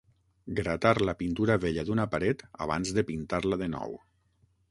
Gratar la pintura vella d'una paret abans de pintar-la de nou.